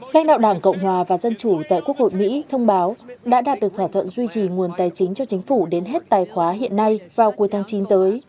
lãnh đạo đảng cộng hòa và dân chủ tại quốc hội mỹ thông báo đã đạt được thỏa thuận duy trì nguồn tài chính cho chính phủ đến hết tài khoá hiện nay vào cuối tháng chín tới